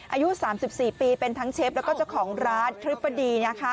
อายุ๓๔ปีเป็นทั้งเชฟแล้วก็เจ้าของร้านทริปดีนะคะ